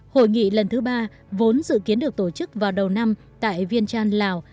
hội nghị lần thứ ba vốn dự kiến được tổ chức vào đầu năm tại vientiane lào